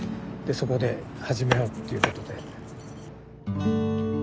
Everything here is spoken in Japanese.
そこで始めようっていうことで。